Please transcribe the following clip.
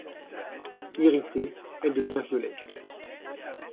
Irritée, elle devient violette.